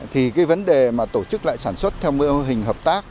thì cái vấn đề mà tổ chức lại sản xuất theo mô hình hợp tác